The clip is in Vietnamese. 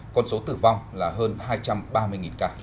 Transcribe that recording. con số tử vong là hơn hai trăm ba mươi ca